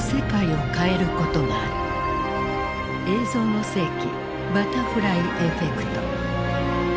「映像の世紀バタフライエフェクト」。